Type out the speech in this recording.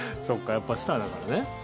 やっぱりスターだからね。